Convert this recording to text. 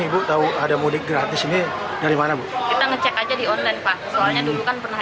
ibu tahu ada mudik gratis ini dari mana bu kita ngecek aja di online pak soalnya dulu kan pernah